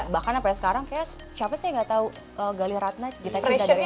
bahkan sampai sekarang kayaknya siapa sih yang nggak tahu galih ratna kita cinta dari sma